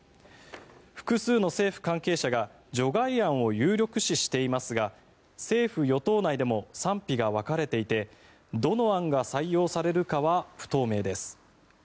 複数の政府関係者が除外案を有力視していますが政府・与党内でも賛否が分かれていてどの案が採用されるかは不透明です。